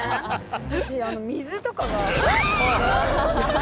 私あの水とかが。